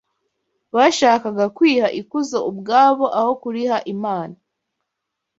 Bashakaga kwiha ikuzo ubwabo aho kuriha Imana